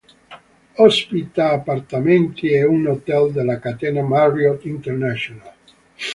Ospita appartamenti e un hotel della catena Marriott International.